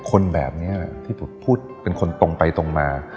คนแบบนี้ที่พูดเป็นคนตรงไปตรงมา